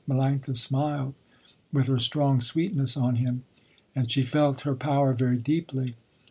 Melanctha smiled, with her strong sweetness, on him, and she felt her power very deeply.